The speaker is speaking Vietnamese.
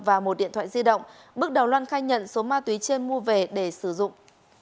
và một điện thoại di động bước đầu loan khai nhận số ma túy trên mua về để sử dụng